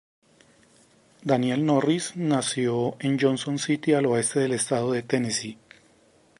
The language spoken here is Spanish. Daniel Norris nació en Johnson City, al oeste del Estado de Tennessee.